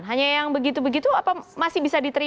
hanya yang begitu begitu apa masih bisa diterima